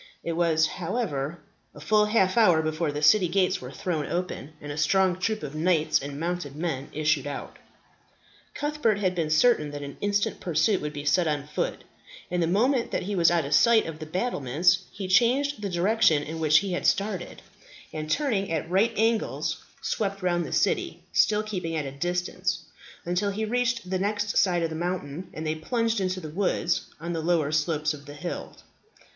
It was, however, a full half hour before the city gates were thrown open, and a strong troop of knights and mounted men issued out. Cuthbert had been certain that an instant pursuit would be set on foot, and the moment that he was out of sight of the battlements, he changed the direction in which he had started, and turning at right angles, swept round the city, still keeping at a distance, until he reached the side next the mountains, and then plunged into the woods on the lower slopes of the hills.